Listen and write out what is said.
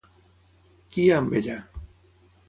Qui hi ha amb ella?